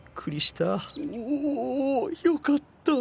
おおおよかった。